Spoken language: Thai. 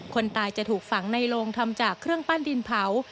คนตายจะถูกฝังในโรงทำจากเครื่องปั้นดินเผา